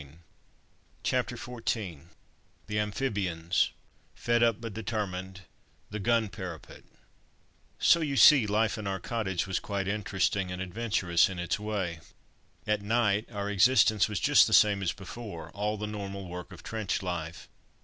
"] CHAPTER XIV THE AMPHIBIANS FED UP, BUT DETERMINED THE GUN PARAPET So you see, life in our cottage was quite interesting and adventurous in its way. At night our existence was just the same as before; all the normal work of trench life.